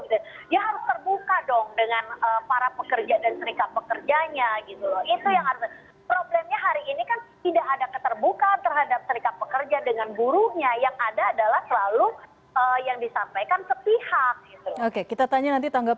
dia harus terbuka dong dengan para pekerja dan serikat pekerjanya